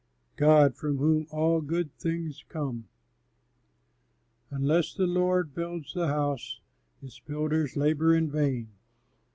GOD FROM WHOM ALL GOOD THINGS COME Unless the Lord builds the house, its builders labor in vain.